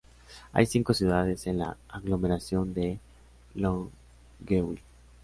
Hay cinco ciudades en la aglomeración de Longueuil.